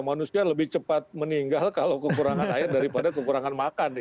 manusia lebih cepat meninggal kalau kekurangan air daripada kekurangan makan